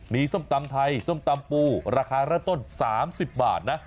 มีส้มตำไทยส้มตำปูราคาเริ่มต้น๓๐บาทนะ